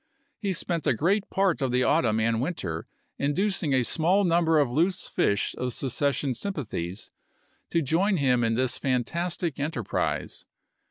He spent a great part of the autumn and winter induc ing a small number of loose fish of secession sym pathies to join him in this fantastic enterprise.